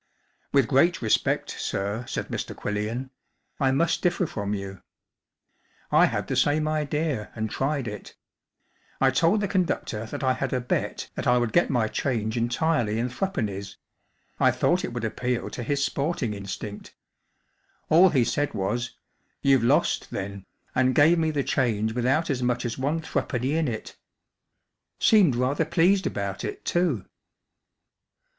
14 With great respect, sir/' said Mr, Quillian, " I must differ from you* I had the same idea and tried it I told the conductor that I had a bet that I would get my change entirely in threepences, I thought it would appeal to his sporting instinct* All he said was, 4 You've lost, then/ and gave me the change without as much a $ one threepenny in it* Seemed rather pleased about it, too."